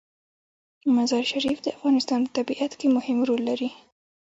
مزارشریف د افغانستان په طبیعت کې مهم رول لري.